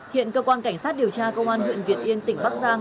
hiện cơ quan cảnh sát điều tra công an huyện việt yên tỉnh bắc giang